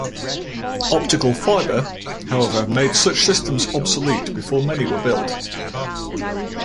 Optical fiber, however, made such systems obsolete before many were built.